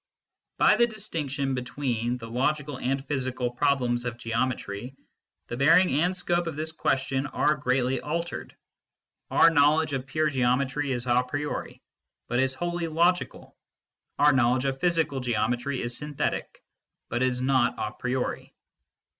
" By the distinction between the logical and physical problems of geometry, the bearing and scope of this question are greatly altered. Our knowledge of pure geometry is a priori but is wholly logical. Our knowledge of physical geometry is synthetic, but is not a priori.